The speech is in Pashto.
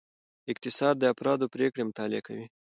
اقتصاد د افرادو پریکړې مطالعه کوي.